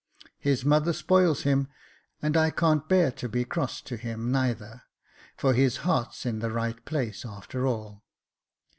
His mother spoils him, and I can't bear to be cross to him neither ; for his heart's in the right place, after all.